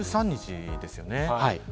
１３日ですよね。